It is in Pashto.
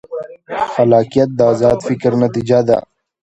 خلاقیت د ازاد فکر نتیجه ده.